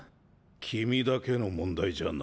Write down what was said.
君だけの問題じゃない。